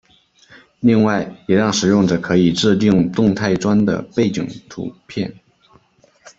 另外也让使用者可以自订动态砖的背景图片。